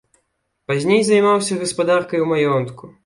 Пазней займаўся гаспадаркай у маёнтку.